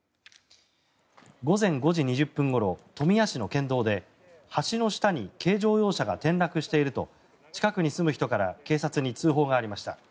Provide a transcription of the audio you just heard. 午前５時２０分ごろ富谷市の県道で橋の下に軽乗用車が転落していると近くに住む人から警察に通報がありました。